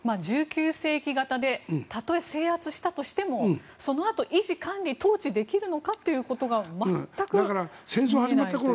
１９世紀型でたとえ制圧したとしてもそのあと、維持管理統治できるのかっていうことが全く見えないという。